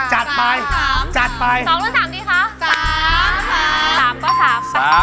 ๒หรือ๓ดีคะ